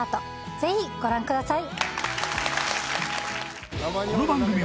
ぜひご覧ください